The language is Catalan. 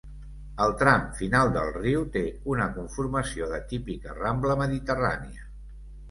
El tram final del riu té una conformació de típica rambla mediterrània.